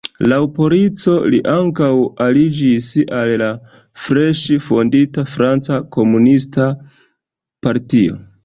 Laŭ la polico, li ankaŭ aliĝis al la freŝe fondita Franca Komunista Partio.